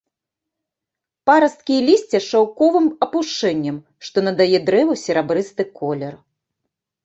Парасткі і лісце з шаўковым апушэннем, што надае дрэву серабрысты колер.